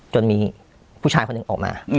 จนมีผู้ชายคนหนึ่งออกมา